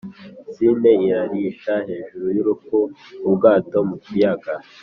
Sine irarisha hejuru y'urupfu-Ubwato mu kiyaga.